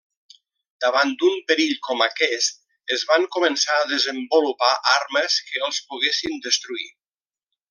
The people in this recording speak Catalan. Davant d'un perill com aquest es van començar a desenvolupar armes que els poguessin destruir.